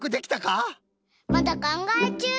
まだかんがえちゅう。